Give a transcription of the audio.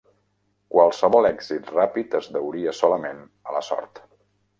Qualsevol èxit ràpid es deuria solament a la sort.